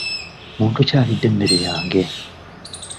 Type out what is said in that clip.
Muntu ki alidde emmere yange?